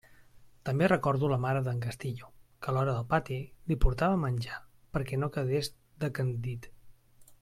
També recordo la mare d'en Castillo que a l'hora del pati li portava menjar perquè no quedés decandit.